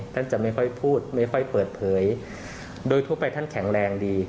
ท่านจะไม่ค่อยพูดไม่ค่อยเปิดเผยโดยทั่วไปท่านแข็งแรงดี